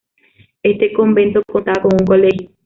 Este convento contaba con un colegio.